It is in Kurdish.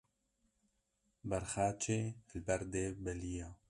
Berxa çê li ber dê belî ye